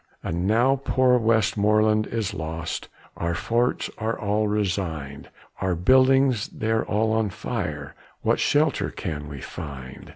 And now poor Westmoreland is lost, Our forts are all resigned, Our buildings they are all on fire, What shelter can we find?